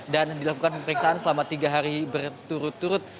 dan dilakukan pemeriksaan selama tiga hari berturut turut